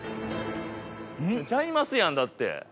ちゃいますやんだって。